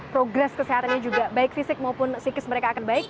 progres kesehatannya juga baik fisik maupun psikis mereka akan baik